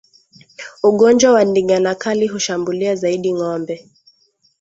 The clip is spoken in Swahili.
Ugonjwa wa ndigana kali hushambulia zaidi ngombe